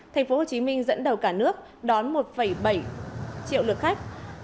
tp hcm dẫn đầu cả nước đón một bảy triệu lượt khách